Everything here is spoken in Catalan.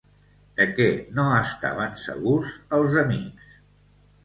De què no estaven segurs els amics?